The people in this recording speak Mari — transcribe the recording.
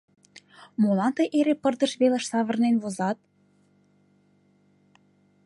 — Молан тый эре пырдыж велыш савырнен возат?